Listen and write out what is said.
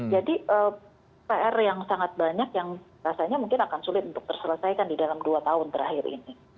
jadi pr yang sangat banyak yang rasanya mungkin akan sulit untuk terselesaikan di dalam dua tahun terakhir ini